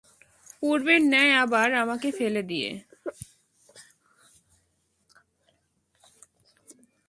পূর্বের ন্যায় আবার আমাকে ফেলে দিয়ে?